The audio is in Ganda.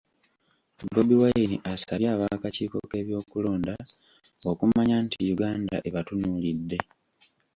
Bobi Wine asabye ab'akakiiko k'ebyokulonda okumanya nti Uganda ebatunuulidde